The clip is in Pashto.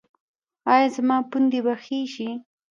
ایا زما پوندې به ښې شي؟